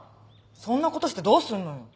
そんな事してどうすんのよ？